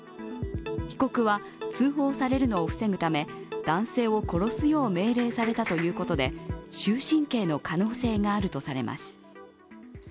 被告は通報されるのを防ぐため、男性を殺すよう命令されたということで終身刑の可能性があるとされます。